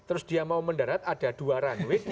terus dia mau mendarat ada dua runway